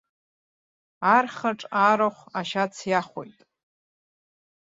Архаҿ арахә ашьац иахоит.